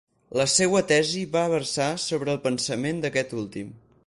La seua tesi va versar sobre el pensament d'aquest últim.